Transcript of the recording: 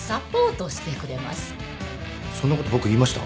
そんなこと僕言いました？